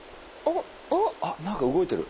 あ何か動いてる。